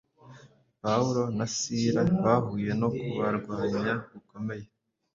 Pawulo na Sila bahuye no kubarwanya gukomeye.